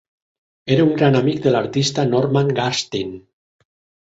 Era un gran amic de l'artista Norman Garstin.